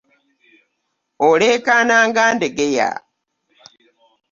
Olekana nga ndegeeya.